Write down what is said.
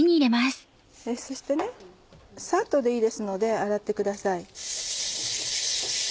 そしてさっとでいいですので洗ってください。